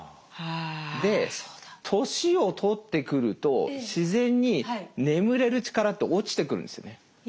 で年をとってくると自然に眠れる力って落ちてくるんですよね。